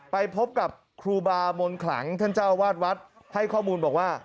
ไปพบกับครูบามนขลังท่านเจ้าวาดวัดให้ข้อมูลบอกว่า